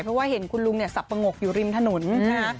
เพราะว่าเห็นคุณลุงสับประงกอยู่ริมธนุนนะฮะ